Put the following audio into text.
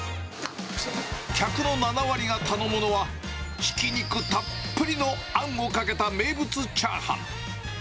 客の７割が頼むのは、ひき肉たっぷりのあんをかけた名物チャーハン。